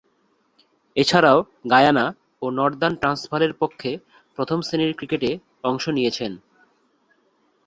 এছাড়াও গায়ানা ও নর্দার্ন ট্রান্সভালের পক্ষে প্রথম-শ্রেণীর ক্রিকেটে অংশ নিয়েছেন।